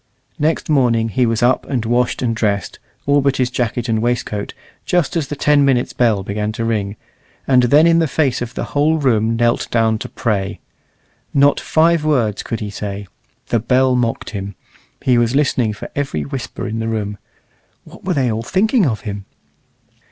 Next morning he was up and washed and dressed, all but his jacket and waistcoat, just as the ten minutes' bell began to ring, and then in the face of the whole room knelt down to pray. Not five words could he say the bell mocked him; he was listening for every whisper in the room what were they all thinking of him?